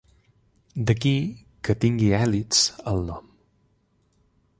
D'aquí que tingui "hèlix" al nom.